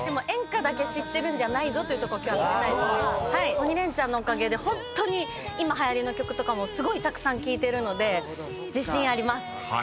『鬼レンチャン』のおかげでホントに今はやりの曲とかもすごいたくさん聴いてるので自信あります。